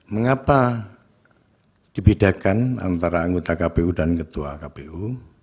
mengapa dibedakan antara anggota kpu dan ketua kpu